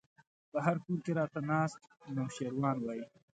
په هر کور کې راته ناست نوشيروان وای